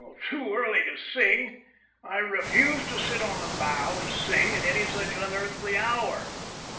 "Too early to sing. I refuse to sit on a bough and sing at any such unearthly hour."